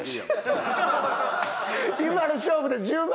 今の勝負で１０万！？